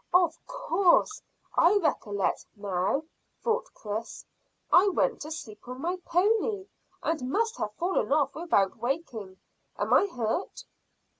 "Of course; I recollect now," thought Chris. "I went to sleep on my pony, and must have fallen off without waking. Am I hurt?"